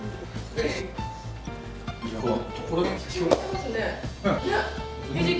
えっ！？